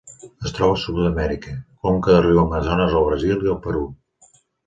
Es troba a Sud-amèrica: conca del riu Amazones al Brasil i el Perú.